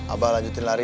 abah lanjutin lari